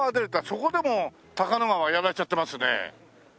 そこでも高野川やられちゃってますね。